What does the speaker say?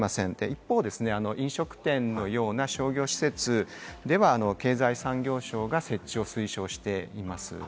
一方、飲食店のような商業施設では経済産業省が設置を推奨しています。